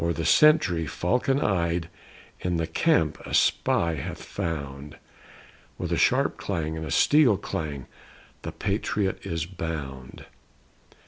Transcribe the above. For the sentry, falcon eyed, In the camp a spy hath found; With a sharp clang, a steel clang, The patriot is bound.